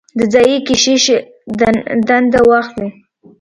د ځايي کشیش دنده واخلي.